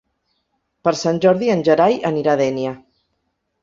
Per Sant Jordi en Gerai anirà a Dénia.